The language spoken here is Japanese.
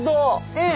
うん。